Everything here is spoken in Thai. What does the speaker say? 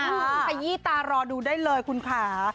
ตรงนี้ยี่ตารอดูได้เลยคุณพา